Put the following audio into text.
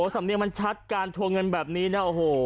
สำเนียงมันชัดการทวงเงินแบบนี้นะโอ้โห